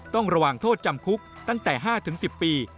ต้องระวังโทษจำคุกตั้งแต่๕๑๐ปี